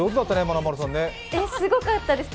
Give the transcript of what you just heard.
すごかったです